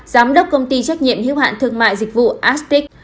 giám đốc công ty trách nhiệm hiếu hạn thương mại dịch vụ astic